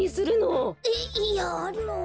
えっいやあの。